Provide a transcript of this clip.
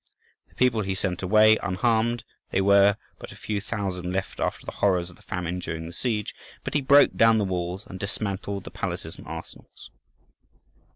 The people he sent away unharmed—they were but a few thousand left after the horrors of the famine during the siege. But he broke down the walls, and dismantled the palaces and arsenals.